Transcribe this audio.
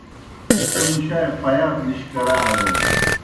سہ مُشائے پیَاب نِش کرہ آیو۔